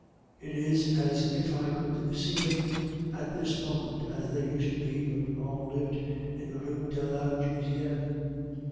It is as if I could see them at this moment as they used to be when we all lived in the Rue de la Jussienne.